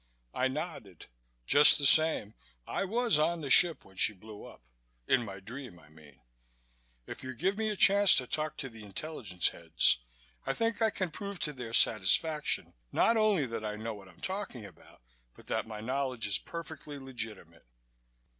I nodded. "Just the same, I was on the ship when she blew up in my dream, I mean. If you give me a chance to talk to the intelligence heads, I think I can prove to their satisfaction not only that I know what I'm talking about but that my knowledge is perfectly legitimate."